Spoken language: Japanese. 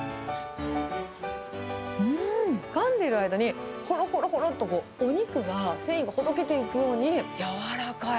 かんでる間に、ほろほろほろっとね、お肉が、繊維がほどけていくように柔らかい。